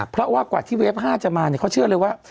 เพราะว่ากว่าที่เวฟ๕จะมาเขาเชื่อเลยว่า